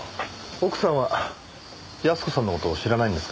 奥さんは康子さんの事を知らないんですか？